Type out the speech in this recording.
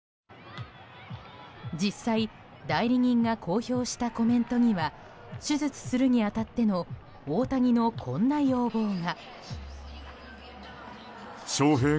実際、代理人が公表したコメントには手術するに当たっての大谷のこんな要望が。